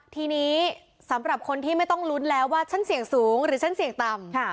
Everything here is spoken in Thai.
ทีนี้สำหรับคนที่ไม่ต้องลุ้นแล้วว่าฉันเสี่ยงสูงหรือฉันเสี่ยงต่ำ